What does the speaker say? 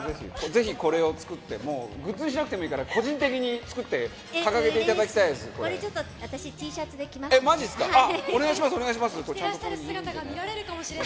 ぜひこれを作って、もうグッズにしなくてもいいから、個人的に作って、掲げていただきたいです、これ。